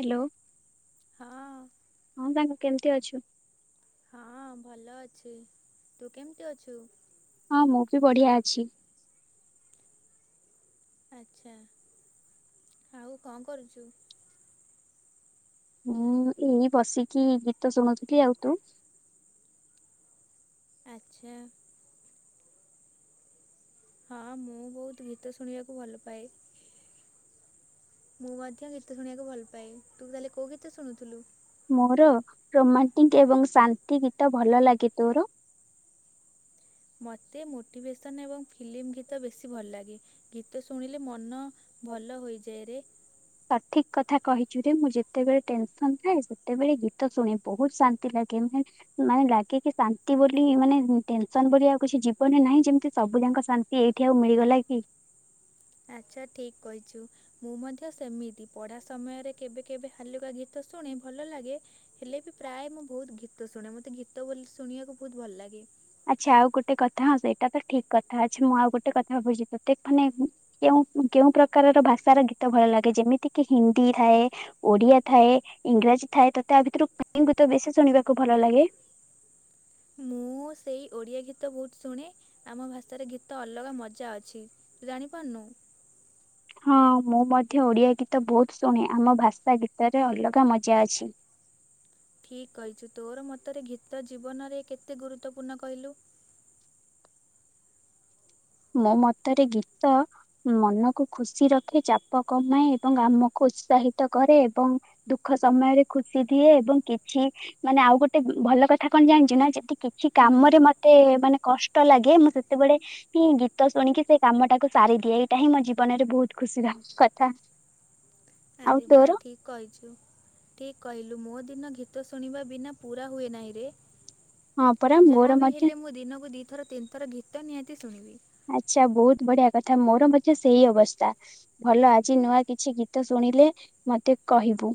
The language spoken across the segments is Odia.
ହାଲୋ। ହଁ। ହଁ ସାଙ୍ଗ କେମିତି ଅଛୁ? ହଁ ଭଲ ଅଛି ତୁ କେମିତି ଅଛୁ? ହଁ ମୁଁ ବି ବଢିଆ ଅଛି। ଆଚ୍ଛା ଆଉ କଣ କରୁଛୁ? ମୁଁ ଏଇ ବସିକି ଗୀତ ଶୁଣୁଥିଲି ଆଉ ତୁ। ଆଚ୍ଛା। ହଁ ମୁଁ ବହୁତ ଗୀତ ଶୁଣିବାକୁ ଭଲ ପାଏ। ମୁଁ ମଧ୍ୟ ଗୀତ ଶୁଣିବାକୁ ଭଲ ପାଏ। ତୁ କାଲି କୋଉ ଗୀତ ଶୁଣୁଥିଲୁ? ମୋର ରୋମାଣ୍ଟିକ ଏବଂ ଶାନ୍ତି ଗୀତ ଭଲ ଲାଗେ। ତୋର? ମତେ ମୋଟିଭେସନ୍ ଏବଂ ଫିଲିମି ଗୀତ ବେଶୀ ଭଲ ଲାଗେ। ଗୀତ ଶୁଣିଲେ ମନ ଭଲ ହୋଇଯାଏ ରେ। [inaudible] ସଠିକ୍ କଥା କହିଛୁ ରେ ମୁଁ ଯେତେବେଳେ ଟେନସନ୍ ଥାଏ ସେତେବେଳେ ଗୀତ ଶୁଣେ ବହୁତ ଶାନ୍ତି ଲାଗେ। ମାନେ ଲାଗେ କିି ଶାନ୍ତି ବୋଲି ମାନେ ଟେନସନ ବୋଲି ଆଉ କିଛି ଜୀବନରେ ନାହିଁ ଯେମିତି ସବୁ ଯାକ ଶାନ୍ତି। ନ୍ତି ଏଇଠି ଆଉ ମିଳିଗଲା କି। ଆଚ୍ଛା ଠିକ୍ କହିଛୁ ମୁଁ ମଧ୍ୟ ସେମିତି ପଢା ସମୟରେ କେବେ କେବେ ହାଲୁକା ଗି ଗୀତ ଶୁଣେ ଭଲ ଲାଗେ ହେଲେ ବି ପ୍ରାୟ ମୁଁ ବହୁତ୍ ଗୀ ତ। ତ ଶୁଣେ ମତେ ଗୀତ ବୋଲ୍ ଶୁଣିବାକୁ ବହୁତ ଭଲ ଲାଗେ। ଆଚ୍ଛା ଆଉ ଗୋଟେ କଥା ହଁ ସେଟା ତ ଠିକ୍ କଥା ଅଛି ମୁଁ ଆଉ ଗୋଟେ କଥା ଭାବୁଛି ତତେ ମାନେ। କେଉଁ ଉଁ କେଉଁ ପ୍ରକାରର ଭାଷାର ଗୀତ ଭଲ ଲାଗେ ଯେମିତି କି ହିନ୍ଦୀ ଥାଏ। ଓଡିଆ ଥାଏ ଇଂରାଜୀ ଥାଏ। ତତେ ଆ ଭିତରୁ କାଉଁ ଗୀତ ବେଶୀ ଶୁଣିବାକୁ ଭଲ ଲାଗେ। ମୁଁ ସେଇ ଓଡ଼ିଆ ଗୀତ ବହୁତ୍ ଶୁଣେ। ଆମ ଭାଷାରେ ଗୀତ ଅଲଗା ମଜା ଅଛି ତୁ ଜାଣିପାରୁନୁ। ହଁ ମୁଁ ମଧ୍ୟ ଓଡିଆ ଗୀତ ବହୁତ ଶୁଣେ ଆମ ଭାଷା ଗୀତରେ ଅଲଗା ମଜା ଅଛି। ଠିକ୍ କହିଛୁ ତୋର ମତରେ ଗୀତ ଜୀବନରେ କେତେ ଗୁରୁତ୍ୱ ପୂର୍ଣ୍ଣ କହିଲୁ। ମୋ ମତରେ ଗୀତ। ମନକୁ ଖୁସି ରଖେ ଚାପ କମାଏ ଏବଂ ଆମକୁ ଉତ୍ସାହିତ କରେ ଏବଂ। ଦୁଃଖ ସମୟରେ ଖୁସି ଦିଏ ଏବଂ କିଛି। ମାନେ ଆଉ ଗୋଟେ ଉଁ ଭଲ କଥା କଣ ଜାଣିଛୁ ନା ଜଦି କି ଛି କାମରେ ହୁଁ ମତେ ମାନେ କଷ୍ଟ ଲାଗେ ମୁଁ ସେତେବେଳେ। କି ଗୀତ ଶୁଣିକି ସେ କାମ ଟାକୁ ସାରି ଦିଏ ଏଇଟା ହିଁ ମୋ ଜୀବନରେ ବହୁତ ଖୁସିର କଥା। [inaudible] ଆରେ ବା ତୋର ଠିକ କହିଛୁ। ଠିକ୍ କହିଲୁ ମୋ ଦିନ ଗୀତ ଶୁଣିବା ବିନା ପୂରା ହୁଏ ନାହିଁ ରେ। ହଁ ପରା ଯାହା ମୋର ବିି ମଧ୍ୟ ହେଲେ ମୁଁ ଦିନକୁ ଦି ଥର ତିନି ଥର ଗୀତ ନିହାତି ଶୁଣିବି। ଆଚ୍ଛା ବହୁତ ବଢିଆ କଥା ମୋର ମଧ୍ୟ ସେଇ ଅବସ୍ଥା। ଭଲ ଆଜି ନୂଆ କିଛି ଗୀତ ଶୁଣିଲେ ମତେ କହିବୁ।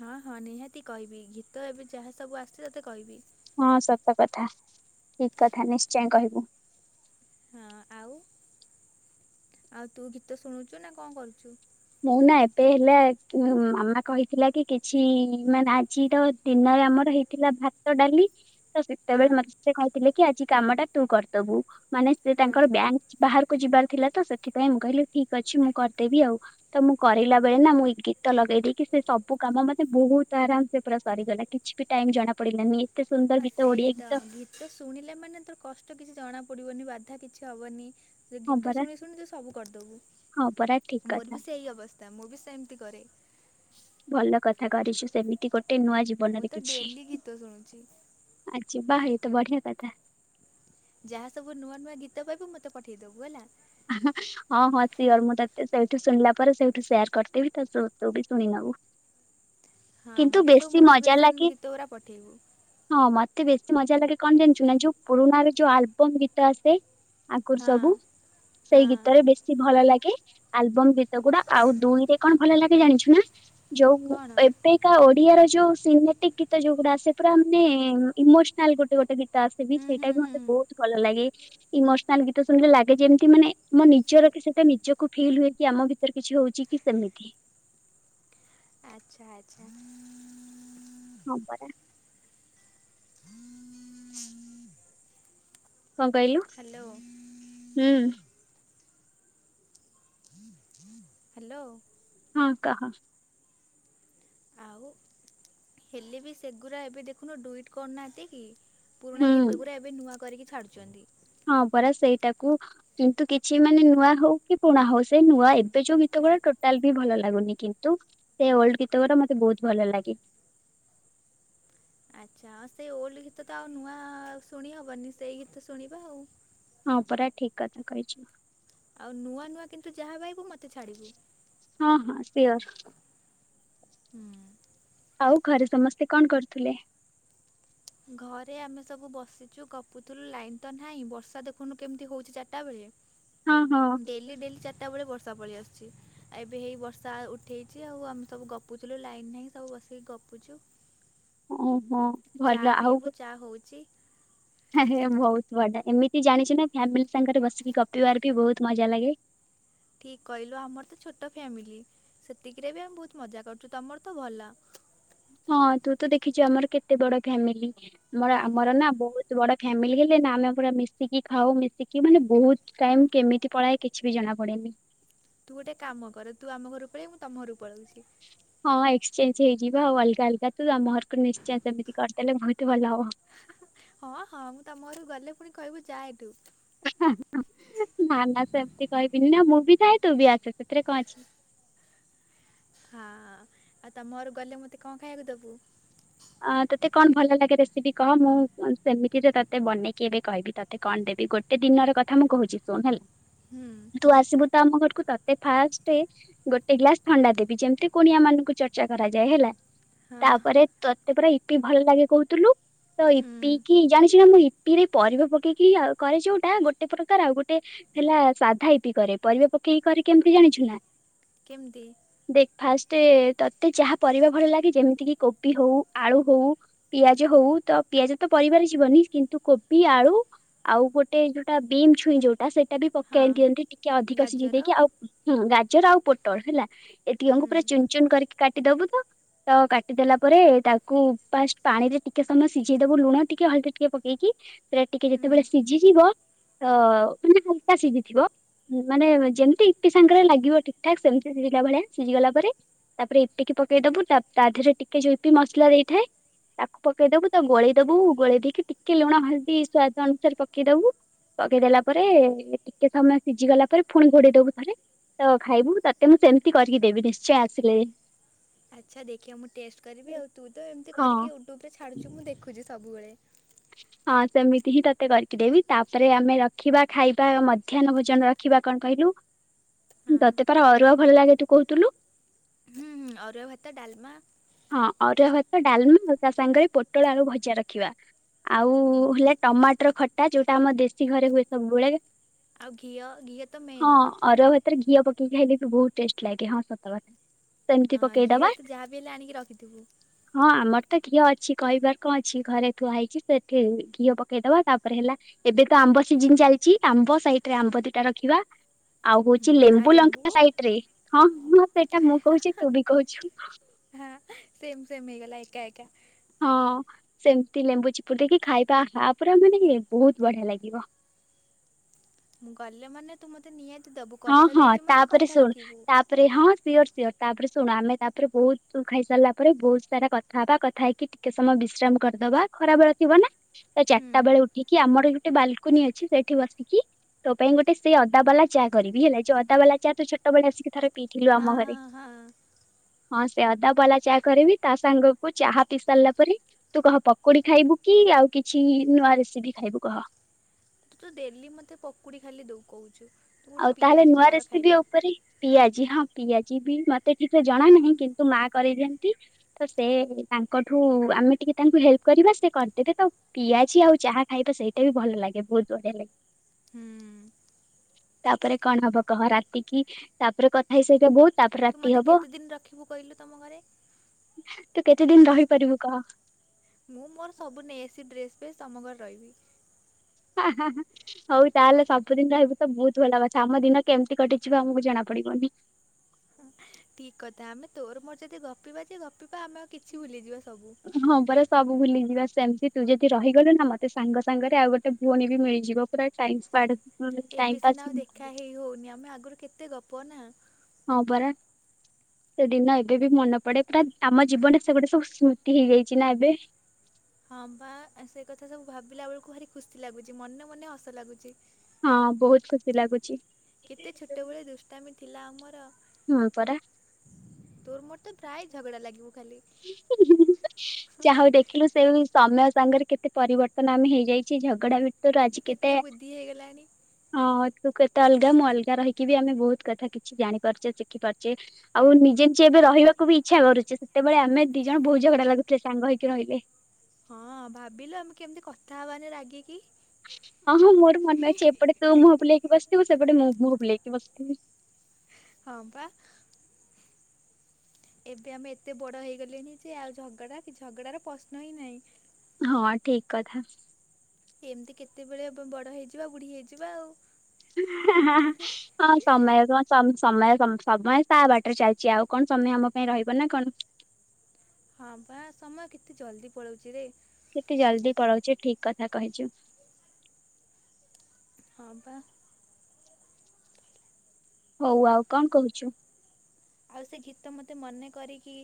ହଁ ହଁ ନିହାତି କହିବି ଗୀତ ଏବେ ଯାହା ସବୁ ଆସିଛି ତତେ କହିବି। ହଁ ସତ କଥା ଠିକ କଥା ନିଶ୍ଚୟ କହିବୁ। ଆ ଆଉ। ଆଉ ତୁ ଗୀତ ଶୁଣୁଛୁ ନା କଣ କରୁଚୁ? ମୁଁ ନା ଏବେ ହେଲା ମାମା କହିଥିଲା କି କିଛି ମାନେ ଆଜି ତ ଦିନରେ ଆମର ହେଇ ଥିଲା ଭାତ ଡାଲି ତ ସେ ହଁ ସେତେବେଳେ ମତେ ସେ କହିଥିଲେ କି ଆଜି କାମଟା ତୁ କରିଦବୁ ମାନେ ସେ ତାଙ୍କର ହଁ ବ୍ୟାଙ୍କ ବାହାରକୁ। କୁ ଯିବାର ଥିଲା ତ ସେଥିପାଇଁ ମୁଁ କହିଲି ଠିକ ଅଛି ମୁଁ କରିଦେବି ଆଉ। ତ ମୁଁ କରିଲା ବେଳେ ନା ମୁଁ ଏଇ ଗୀତ ଲଗେଇ ଦେଇକି ସେ ସବୁ କାମ ମତେ ବହୁତ ଆରାମ ସେ ପୁରା ସରିଗଲା କିଛି‌। ବି ଟାଇମ୍ ଜଣା ପଡିଲାନି ଏତେ ସୁନ୍ଦର ଗୀତ ଓଡିଆ ଗୀତ। ଗିତ ଶୁଣିଲା ମାନେ ତୋର କଷ୍ଟ କିଛି ଜଣା ପଡିବନି ବାଧା କିଛି ହବନି ସେ ହଁ ଗୀତ ପରା ଶୁଣି ଶୁଣି ତୁ ସବୁ କରିଦେବୁ ହଁ ପରା ଠିକ ମୋର କଥା ବି ସେଇ ଅବସ୍ଥା ମୁଁ ବି ସେମିତି କରେ। ଭଲ କଥା କରିଛୁ ସେମିତି ଗୋଟେ ନୂଆ ମୁଁ ଜୀବନରେ ତ କିଛି। ଡେଲି ଗୀତ ଶୁଣୁଛି। ଆଜି ବା ଏଇ ତ ବଢିଆ କଥା। ଯାହା ସବୁ ନୂଆ ନୂଆ ଗୀତ ପାଇବୁ ମତେ ପଠେଇଦବୁ ହେଲା। ଆ ହାଁ। ହଁ ହଁ ସିଓର ମୁଁ ତତେ ସେଇଠି ଶୁଣିଲା ପରେ ସେଇଠୁ ସେୟାର କରିଦେବି ତୁବି ଶୁଣି ନବୁ। ହଁ କିନ୍ତୁ ମତେ ସବୁ ବେଶୀ ମଜା ଲାଗେ ମୋଟିଭେସନ ଗୀତ ଗୁରା ପଠେଇବୁ। ହଁ ମତେ ବେଶୀ ମଜା ଲାଗେ କଣ ଜଣିଛୁ ନା ଯୋଉ ପୁରୁଣାରେ ଯୋଉ ଆଲବମ ଗୀତ ଆସେ। ଆଗର ସବୁ ହଁ ସେଇ ହଁ ଗୀତରେ ବେଶୀ ଭଲ ଲାଗେ। ଆଲବମ୍ ଗୀତ ଗୁଡା ଆଉ ଦୁଇରେ କଣ ଭଲ ଲାଗେ ଜାଣିଛୁ ନା ଯୋଉ କଣ ଏବେ। କା ଓଡିଆର ଯୋଉ ସିନେଟିକ ଗୀତ ଯୋଉ ଗୁଡା ଆସେ ପୁରା ମାନେ ଇମୋସନାଲ ଗୋଟେ ଗୋଟେ ଗୀତ। ଗୀତ ଆସେ ବି ହୁଁ ସେଇଟା ହୁଁ ବି ହୁଁ ମତେ ବହୁତ ଭଲ ଲାଗେ ଇମୋସନାଲ ଗୀତ ଶୁଣିଲେ ଲାଗେ ଯେମତି। କି ମାନେ ମୋ ନିଜର କି ସେଟା ନିଜକୁ ଫିଲ୍ ହୁଏ କି ଆମ ଭିତରେ କିଛି ହଉଛି କି ସେମିତି। ଆଚ୍ଛା ଆଚ୍ଛା। ହଁ ପରା କଣ କହିଲୁ ହ୍ୟାଲୋ ହୁଁ। ହ୍ୟାଲୋ। ହଁ କହ? ଆଉ ହେଲେ ବି ସେଗୁଡ଼ା ଏବେ ଦେଖୁନୁ ଡୁଇଟ୍ କରୁନାହାନ୍ତି କି? ପୁରୁଣା ହୁଁ ଗୀତ ଗୁରା ଏବେ ନୂଆ କରିକି ଛାଡୁଛନ୍ତି। ହଁ ପରା ସେଇଟାକୁ କିନ୍ତୁ କିଛି ମାନେ ନୂଆ ହଉ କି ପୁଣା ହଉ ସେ ନୂଆ ଏବେ ଯୋଉ ଗୀତ ଗୁଡା ଟୋଟାଲ ବି ଭଲ ଲାଗୁନି କିନ୍ତୁ ସେ ଓଲଡ ଗୀତ ଗୁରା ମତେ ବହୁତ ଭଲ ଲାଗେ। ଆଚ୍ଛା ହଁ ସେଇ ଓଲ୍ଡ ଗୀତ ତ ଆଉ ନୂଆ ଶୁଣି ହବନି ସେଇ ଗୀତ ଶୁଣିବା ଆଉ। ହଁ ପରା ଠିକ କଥା କହିଛ। ଆଉ ନୂଆ ନୂଆ କିନ୍ତୁ ଯାହା ପାଇବୁ ମତେ ଛାଡିବୁ? ହଁ ହଁ ସିଓର। ହୁଁ। ଆଉ ଘରେ ସମସ୍ତେ କଣ କରୁଥିଲେ? ଘରେ ଆମେ ସବୁ ବସିଛୁ ଗପୁଥିଲୁ ଲାଇନ ତ ନାହିଁ ବର୍ଷା ବର୍ଷା ଦେଖନ୍ତୁ କେମିତି ହଉଛି ଚାରିଟା ହଁ ହଁ ବେଳେ ଡେଲି ଡେଲି ଚାରିଟା ବେଳେ ବର୍ଷା ପଳି ଆସିଛି ଆଉ ଏବେ ହେଇ ବର୍ଷା ଉଠେଇଛି ଆଉ ଆମେ ସବୁ ଗପୁଥିଲୁ ଲାଇନ ନାହିଁ। ସବୁ ବସିକି ଗପୁଚୁ। ଓହୋ। ଚା ଭଲ ଆଉ ପିଇବୁ, ଚା ହଉଛିି। [unintelligible] ବହୁତ ବଢି଼ଆ, ଏମିତି ଜାଣିଛ ନା ଫ୍ୟାମିଲି ସାଙ୍ଗରେ ବସିକି ଗପିବାର ବି ବହୁତ ମଜା ଲାଗେ। ଠିକ କହିଲୁ, ଆମର ତ ଛୋଟ ଫ୍ୟାମିଲି ସେତିକିରେ ବି ଆମେ ବହୁତ ମଜା କରୁଛୁ, ତମର ତ ଭଲ। ହଁ, ତୁ ତ ଦେଖିଛୁ ଆମର କେତେ ବଡ ଫ୍ୟାମିଲି, ଆମର ହଁ ବା। ଆମର ନା ବହୁତ ଏତେ ବଡ଼ ଫ୍ୟାମିଲି ହେଲେ ନା ଆମେ ପୁରା ମିଶିକି ଖାଉ ମିଶିକି ମାନେ ବହୁତ ଟାଇମ କେମିତି ପଳାଏ କିଛି ବି ଜଣା ପଡେ଼ନି। ତୁ ଗୋଟେ କାମ କର ତୁ ଆମ ଘରକୁ ପଳେୟା ମୁଁ ତମ ଘରକୁ ପଳଉଛି। ହଁ, ଏକ୍ସଚେଞ୍ଜ ହେଇଯିବା ଆଉ ଅଲଗା ଅଲଗା, ତୁ ଆମ ଘରକୁ ନିଶ୍ଚୟ ସେମିତି କର। ତହେଲେ ବହୁତ ଭଲ ହବ। ହଁ, ହଁ, ମୁଁ ତମ ଘରୁ ଗଲେ ପୁଣି କହିବୁ ଯା ଏଠୁ଼? ନା ନା, ସେମତି କହିବିନି ନା, ମୁଁ ବି ଥାଏ ତୁ ବି ଆସ ସେଥିରେ କଣ ଅଛି। ହଁ, ଆଉ ତମ ଘରକୁ ଗଲେ ମତେ କଣ ଖାଇବାକୁ ଦବୁ? ଆ ତୋତେ କଣ ଭଲ ଲାଗେ ରେସିପି କହ ମୁଁ ସେମିତିରେ ତତେ ବନେଇକି ଏବେ କହିବି ତତେ? ତତେ କଣ ଦେବି ଗୋଟେ ଦିନର କଥା ମୁଁ କହୁଛି ଶୁଣ ହୁଁ ହେଲା ତୁ ଆସିବୁ ତ ଆମ ଘରକୁ ତତେ ଫାଷ୍ଟେ ଗୋଟେ ଗ୍ଲାସ ଥଣ୍ଡା ଦେବି, ଯେମିତି କୁଣିଆ ମାନଙ୍କୁ ଚର୍ଚ୍ଚା କରାଯାଏ ହେଲା, ହଁ ତାପରେ ତ ତତେ ପରା ଇପି ଭଲ ଲାଗେ କହୁଥିଲୁ? ତ ହୁଁ ଇପି କିି ଜାଣିଛୁ ନା ଇପିରେ ପରିବା ପକେଇକି ଆଉ କରେ ଯୋଉଟା, ଗୋଟେ ପ୍ରକାର ଆଉ ଗୋଟେ ହେଲା ସାଧା ଇପି କରେ, ପରିବା ପକେଇ କରେ କେମିତି ଜାଣିଛୁ ନା? କେମତି? ଦେଖେ ଫାଷ୍ଟ ତତେ ଯାହା ପରିବା ଭଲ ଲାଗେ ଯେମିତି କିି କୋବି ହଉ ଆଳୁ ହଉ, ପିଆଜ ହଉ ତ ପିଆଜ ତ ପରିବାରେ ଯିବନି କିନ୍ତୁ କୋବି, ଆଳୁ ଆଉ ଗୋଟେ ଯୋଉଟା ବିମ୍ ଛୁଇଁ ଯୋଉଟା ସେ ଟା ବି ପକାଇ ହଁ ଦିଅନ୍ତି, ଟିକେ ଅଧିକ ସିଝେଇ ଗାଜର ଦେଇକି, ଆଉ ହଁ ଗାଜର ଆଉ ପୋଟଳ ହେଲା। ଏତିକଙ୍କୁ ହୁଁ ପୁରା ଚୁନ୍ ଚୁନ୍ କରିକି କାଟିଦବୁ ତ, ତ କାଟିଦେଲା ପରେ ତା କୁ ଫାଷ୍ଟ ପାଣି ରେ ଟିକେ ସମୟ ସିଝେଇଦବୁ ଲୁଣ ଟିକେ, ହଲଦୀ ଟିକେ ପକେଇକି। ସେଟା ଟିକେ ହୁଁ। ଯେତେବେଳେ ସିଝିଯିବ, ତ ଗୋଟା ସିଝିଥିବ ମାନେ ଯେମିତି ଇପି ସାଙ୍ଗରେ ଲାଗିବ ଠିକ୍ ଠାକ୍, ସେମିତି ସିଝିଲା ଭଳିଆ ସିଝିଗଲା ପରେ ତାପରେ ଇପିକି ପକେଇ ଦବୁ, ତା ତା ଦେହରେ ଟିକେ ଯଉ ଇପି ମସଲା ଦେଇଥାଏ ତାକୁ ପକେଇଦବୁ, ତାକୁ ଗୋଳେଇ ଦବୁ, ଗୋଳେଇ ଦେଇକି ଟିକେ ଲୁଣ ହଳଦୀ ସ୍ୱାଦ ଅନୁସାରେ ପକେଇଦବୁ। ପକେଇଦେଲା ପରେ, ଟିକେ ସମୟ ସିଝିଗଲା ପରେ ଫୁଣି ଘୋଡେଇ ଦବୁ ଥରେ। ତ ଖାଇବୁ, ତତେ ମୁଁ ସେମିତି କରିକି ଦେବି ନିଶ୍ଚୟ ଆସିଲେ। ଆଚ୍ଛା, ଦେଖିବା ମୁଁ ଟେଷ୍ଟ କରିବି ଆଉ।। ତୁ ତ ଏମିତି ହଁ କରିକି ୟୁଟ୍ୟୁବ୍ ରେ ଛାଡୁ଼ଛୁ, ମୁ ଦେଖୁଛି ସବୁବେଳେ। ହଁ, ସେମିତି ହିଁ ତତେ କରିକି ଦେବି। ତାପରେ ଆମେ ରଖିବା ଖାଇବା ମଧ୍ୟାହ୍ନ ଭୋଜନ ଦେଖିବା କଣ କହିଲୁ, ହଁ ତତେ ପାରା ଅରୁଆ ଭଲ ଲାଗେ ତୁ କହୁଥିଲୁ? ହୁଁ, ଅରୁଆ ଭାତ, ଡା଼ଲମା ହଁ, ଅରୁଆ ଭାତ, ଡା଼ଲମା ଆଉ ତା ସାଙ୍ଗରେ ପୋଟଳ ଆଳୁ ଭଜା ରଖିବା। ଆଉ ହୁଁ, ହେଲା ଟମାଟର ଖଟା, ଯୋଉଟା ଆମ ଦେଶୀ ଘରେ ହୁଏ ସବୁବେଳେ। ଆଉ ଘିଅ, ଘିଅ ତ ହଁ ମେନ୍। ଅରୁଆ ଭାତରେ ଘିଅ ପକେଇକି ଖାଇଲେ ବି ବହୁତ ଟେଷ୍ଟ ଲାଗେ, ହଁ ସତ କଥା। ସେମିତି ହଁ, ପକେଇଦବା ଘିଅ ତୁ ଯାହାବି ହେଲେ ଆଣିକି ରଖିଥିବୁ। ହଁ, ଆମର ତ ଘିଅ ଅଛି, କହିବାର କଣ ଅଛି, ଘରେ ଥୁଆ ହେଇଛି। ସେଠି ଘିଅ ପକେଇଦବା, ତାପରେ ହେଲା ଏବେ ତ ଆମ୍ବ ସିଜିିନ୍ ଚାଲଚି, ଆମ୍ବ ସାଇଟ୍ ରେ ଆମ୍ବ ଦିଟା ରଖିବା। ଆଉ ହଉଛି ହୁଁ ଆଉ ଲେମ୍ବୁ, ଲଙ୍କା ସାଇଟ୍ ରେ, ହଁ ହଁ, ସେଇଟା ମୁଁ କହୁଛି ତୁ ବି କହୁଛୁ। ହଁ, ସେମ୍ ସେମ୍ ହେଇଗଲା ଏକା ଏକା। ହଁ ସେମିତି ଲେମ୍ବୁ ଚିପୁଡ଼ି ଦେଇକି ଖାଇବା। ଆହାଃ, ପୁରା ମାନେ ବହୁତ ବଢି଼ଆ ଲାଗିବ। ମୁଁ ଗଲେ ମାନେ ତୁ ମତେ ନିହାତି ଦବୁ, ହଁ କଥା ହଁ ଦେଇଚୁ ମାନେ ତାପରେ କଥା ଶୁଣୁ ରଖିବୁ। ତାପରେ ହଁ ସିଓର୍ ସିଓର୍ ତାପରେ ଶୁଣ ଆମେ ତାପରେ ବହୁତ ଖାଇ ସାରିଲା ପରେ ବହୁତ ସାରା କଥା ହେବା। କଥା ହେ ଟିକେ ସମୟ ବିଶ୍ରାମ କରିଦେବା। ଖରାବେଳ ଥିବ ନା। ତ ହୁଁ ଚାରିଟା ବେଳ ଉଠିକି କି ଆମର ଗୋଟେ ବାଲକୁନି ଅଛି ସେଇଠି ବସିକି ତୋ ପାଇଁ ଗୋଟେ ସେଇ ଅଦା ବାଲା ଚା କରିବି ହେଲା। ଯଉ ଅଦା ବାଲା ଚା ତୁ ଛୋଟବେଳେ ଆସିକି ଥରେ ପିଇଥିଲୁ ଆମ ହଁ ଘରେ। ହଁ ହଁ। ହଁ ସେ ଅଦା ବାଲା ଚାହା କରିବି। ତା ସାଙ୍ଗ କୁ ଚାହା ପି ସାରିଲା ପରେ ତୁ କହ ପକୁଡି ଖାଇବୁ କି ଆଉ କିଛି ନୂଆ ରେସିପି ଖାଇବୁ କହ? ତୁ ଡେଲି ମତେ ପକୁଡି ଖାଲି କହୁଚୁ। ଆଉ ତାହେଲେ ନୂଆ ରେସିପି ଉପରେ। ପିଆଜି ହଁ ପିଆଜି ବି ମତେ ଠିକ୍ ଜଣା ନାହିଁ କିନ୍ତୁ ମା କରି ଦିଅନ୍ତି। ତ ସେ ତାଙ୍କଠୁ ଆମେ ଟିକେ ତାଙ୍କୁ ହେଲ୍ପ କରିବା ସେ କରିଦେଲେ ତ। ପିଆଜି ଆଉ ଚାହା ଖାଇବା ସେଇଟା ବି ଭଲ ଲାଗେ। ବହୁତ ବଢିଆ ଲାଗେ। ହୁଁ ତାପରେ କଣ ହବ କହ? ରାତି କିି ତାପରେ ଖାଇ ସାରିବା [unintelligible] ତାପରେ ତୁ ରାତି ମୋତେ ହବ। କେତେ ଦିନ ରଖିବୁ କହିଲୁ ତମ ଘରେ? ତୁ କେତେ ଦିନ ରହିପାରିବୁ କହ? ମୁଁ, ମୋର ସବୁ ନେଇ ଆସିବି ଡ୍ରେସ୍ ଫେସ୍, ତମ ଘରେ ରହିବି। ହା ହା। ହଉ ତାହେଲେ ସବୁଦିନ ରହିବୁ ତ ବହୁତ ଭଲ କଥା। ଆମ ଦିନ କେମିତି କଟିଯିବ ଆମକୁ ଜଣା ପଡିବନି। ଠିକ୍ କଥା ଆମେ ତୋର ମୋର ଯଦି ଗପିବା ଯେ ଗପିବା ଆମେ ଆଉ କିଛି ଭୁଲିଯିବା ସବୁ। ହଁ ପରା ସବୁ ଭୁଲିଯିବା। ସେମିତି ତୁ ଯଦି ରହିଗଲୁ ନା ମତେ ସାଙ୍ଗ ସାଙ୍ଗରେ ଆଉ ଗୋଟେ ଭଉଣୀ ବି ମିଳିଯିବ। ପୁରା ଟାଇମ। [unintelligible] ଏବେ ସିନା ଆଉ ଦେଖା ହେଇ ହଉନି ଆମେ ଆଗରୁ କେତେ ଗପ ନା। ହଁ ପରା। ସେଦିନ ଏବେ ବି ମନ ପଡେ। ପୁରା ଆମ ଜୀବନରେ ସେ ଗୋଟେ ସବୁ ସ୍ମୃତି ହେଇଯାଇଛି ନା ଏବେ। ହଁ ପା। ସେ କଥା ସବୁ ଭାବିଲା ବେଳକୁ ଭାରି ଖୁସି ଲାଗୁଚି ମନେ ମନେ ହସ ଲାଗୁଚି। ହଁ ବହୁତ ଖୁସି ଲାଗୁଚି। କେତେ ଛୋଟବେଳେ ଦୁଷ୍ଟାମୀ ଥିଲା ଆମର। ହଁ ପରା। ତୋର ମୋର ତ ପ୍ରାୟ ଝଗଡା ଲାଗିବୁ ଖାଲି। ଯାହା ହଉ ଦେ ଦେଖିଲୁ ସେ ସମୟ ସାଙ୍ଗରେ କେତେ ପରିବର୍ତ୍ତନ ଆମେ ହେଇଯାଇଚେ ଝଗଡା ବି ତୋର ଆଜି ଏବେ କେତେ? ବୁଦ୍ଧି ହେଇଗଲାଣି। ହଁ ତୁ କେତେ ଅଲଗା ମୁଁ ଅଲଗା ରହିକି ବି ଆମେ ବହୁତ କଥା କିଛି ଜାଣିପାରୁଛେ ଶିଖି ପାରୁଛେ। ଆଉ ନିଜେ ନିଜେ ଏବେ ରହିବାକୁ ବି ଇଚ୍ଛା କରୁଛେ ସେତେବେଳେ ଆମେ ଦି ଜଣ ବହୁ ଝଗଡା ଲାଗୁଥିଲେ ସାଙ୍ଗ ହେଇକି ରହିଲେ। ହଁ ଭାବିଲ ଆମେ କେମିତି କଥା ହବାନି ରାଗିକି। ହଁ-ହଁ ମୋର ମନେ ଅଛି ଏପଟେ ତୁ ମୁହଁ ବୁଲେଇକି ବସିଥିବୁ ସେପଟେ ମୁଁ ମୁହଁ ବୁଲେଇକି ବସିଥିବି। ହଁ ପା ଏବେ ଆମେ ଏତେ ବଡ଼ ହେଇଗଲେଣି ଯେ ଆଉ ଝଗଡ଼ା କି ଝଗଡ଼ାର ପ୍ରଶ୍ନ ହିଁ ନାହିଁ। ହଁ ଠିକ୍ କଥା। ଏମିତି କେତେବେଳେ ବ ବଡ ହେଇଯିବା ବୁଢୀ ହେଇଯିବା ଆଉ ହେଁ-ହେଁ-ହେଁ ହଁ ସମୟ ତ ସମ୍ ସମୟ ସମୟ ତା ବାଟରେ ଚାଲିଛି ଆଉ କଣ ସମୟ ଆମ ପାଇଁ ରହିବ ନା କଣ। ହଁ ପା ସମୟ କେତେ ଜଲଦି ପଳଉଛିରେ। କେତେ ଜଲଦି ପଳଉଛି ଠିକ୍ କଥା କହିଛୁ। ହଁ ପା ହଉ ଆଉ କଣ କହୁଛୁ। ଆଉ ସେ ଘୀତ ମତେ ମନେ କରିକି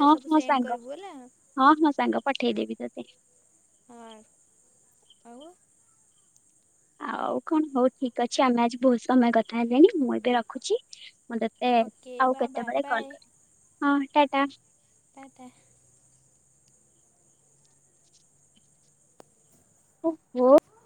ହଁ ସବୁ ହଁ ସେଣ୍ଡ୍ ସାଙ୍ଗ କରିବୁ ହେଲା। ହଁ ହଁ ସାଙ୍ଗ ପଠେଇଦେବି ତତେ। ହ ଆଉ ଆଉ କଣ ହଉ ଠିକ୍ ଅଛି ଆମେ ଆଜି ବହୁତ ସମୟ କଥା ହେଲେଣି ମୁଁ ଏବେ ରଖୁଛି ମତେ ୟେସ୍ ଓକେ ଆଉ ବା ବା କେତେବେଳେ କଲ୍ ବାଏ କରିବି। ହଁ ଟାଟା। ଟାଟା। ହୋ ହୋ।